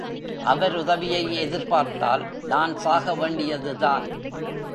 அவர் உதவியை எதிர்பார்த்தால் நான் சாகவேண்டியதுதான்.